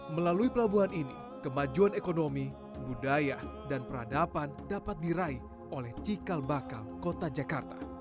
melalui pelabuhan ini kemajuan ekonomi budaya dan peradaban dapat diraih oleh cikal bakal kota jakarta